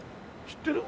知ってる？